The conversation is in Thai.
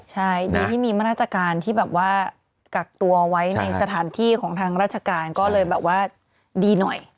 ใช่ดีที่มีมาตรการที่แบบว่ากักตัวไว้ในสถานที่ของทางราชการก็เลยแบบว่าดีหน่อย